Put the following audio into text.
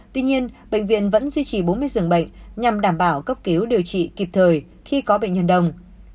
tuy nhiên bệnh viện vẫn duy trì bốn mươi giường bệnh nhằm đảm bảo cấp cứu điều trị kịp thời khi có bệnh nhân đông